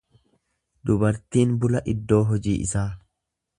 Dubartiin bula iddoo hojii isaa.